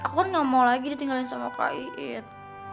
aku gak mau lagi ditinggalin sama kak iit